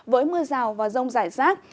với mưa rào và rông rải rác